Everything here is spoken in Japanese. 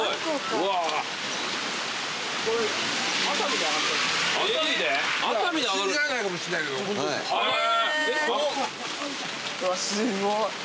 うわすごい。